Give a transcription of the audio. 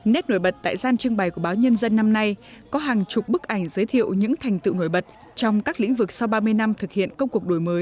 nét nổi bật tại gian trưng bày của báo nhân dân năm nay có hàng chục bức ảnh giới thiệu những thành tựu nổi bật trong các lĩnh vực sau ba mươi năm thực hiện công cuộc đổi mới